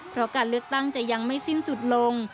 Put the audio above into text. เพราะการเลือกตั้งจะยังไม่สิ้นสุดลง